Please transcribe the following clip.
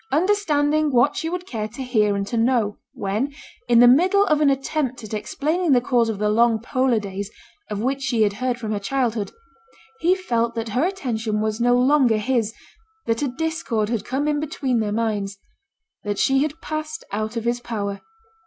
understanding what she would care to hear and to know; when, in the middle of an attempt at explaining the cause of the long polar days, of which she had heard from her childhood, he felt that her attention was no longer his; that a discord had come in between their minds; that she had passed out of his power.